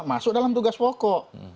masuk dalam tugas pokok